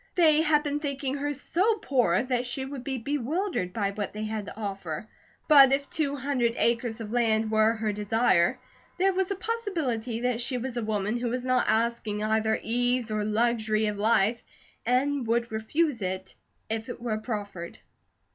They had been thinking her so poor that she would be bewildered by what they had to offer. But if two hundred acres of land were her desire, there was a possibility that she was a women who was not asking either ease or luxury of life, and would refuse it if it were proffered.